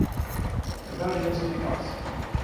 Когда же я заикался?